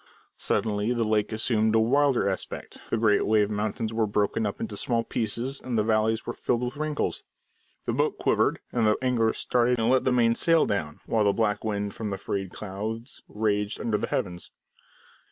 Suddenly the lake assumed a wilder aspect, the great wave mountains were broken up into small pieces, and the valleys were filled with wrinkles. The boat quivered, and the angler started and let the main sail down, while the black wind from the frayed clouds raged under the heavens.